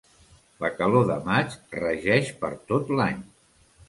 La calor de maig regeix per tot l'any.